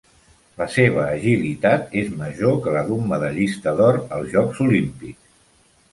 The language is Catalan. La seva agilitat és major que la d'un medallista d'or als Jocs Olímpics.